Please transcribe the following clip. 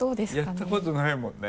やったことないもんね？